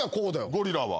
ゴリラは？